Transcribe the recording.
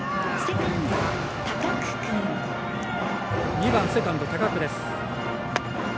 ２番、セカンド、高久。